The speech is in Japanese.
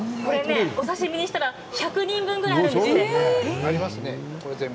お刺身にしたら１００人分ぐらいあるそうです。